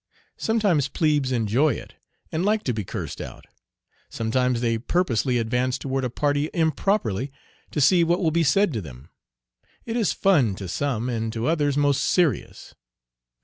Sometimes plebes enjoy it, and like to be cursed out. Sometimes they purposely advance toward a party improperly, to see what will be said to them. It is fun to some, and to others most serious.